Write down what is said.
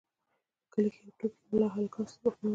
په کلي کې یو ټوکي ملا هلکانو ته سبقونه ویل.